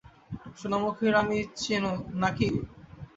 সোনামুখীর আমি চেনো, না কি?